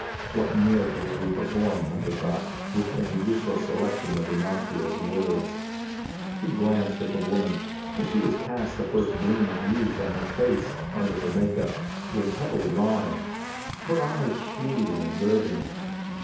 What miracles we perform, Hunter thought, with a judicial selection of innocuous words! He glanced at the woman. She was past the first bloom of youth and her face, under her makeup, was heavily lined, her eyes shrewd and observing.